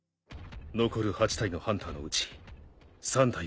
残る８体のハンターのうち３体を遠ざけた。